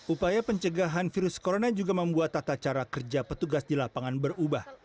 upaya pencegahan virus corona juga membuat tata cara kerja petugas di lapangan berubah